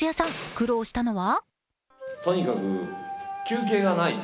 苦労したのは？